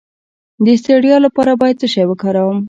د ستړیا لپاره باید څه شی وکاروم؟